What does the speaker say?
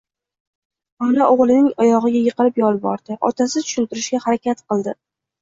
Ona o`g`lining oyog`iga yiqilib yolvordi, otasi tushuntirishga harakat qildi